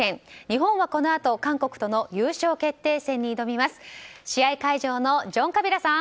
日本はこのあと韓国との優勝決定戦に挑みます。